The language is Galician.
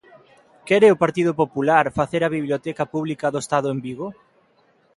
¿Quere o Partido Popular facer a biblioteca pública do Estado en Vigo?